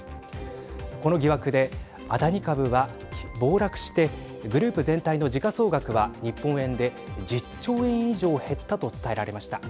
この疑惑でアダニ株は暴落してグループ全体の時価総額は日本円で１０兆円以上減ったと伝えられました。